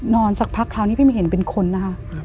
สักพักคราวนี้พี่ไม่เห็นเป็นคนนะคะ